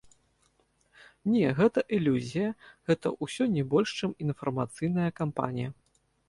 Не, гэта ілюзія, гэта ўсё не больш чым інфармацыйная кампанія.